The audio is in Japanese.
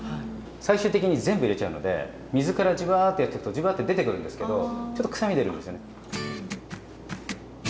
最終的に全部入れちゃうので水からじわっとやってくとじわって出てくるんですけどちょっと臭み出るんですよね。